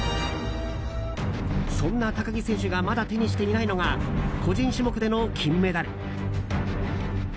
そんな高木選手がまだ手にしていないのが個人種目での金メダル。